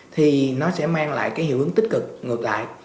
thì nó sẽ mang lại cái hiệu ứng tích cực ngược lại